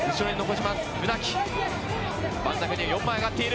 真ん中には４枚上がっている。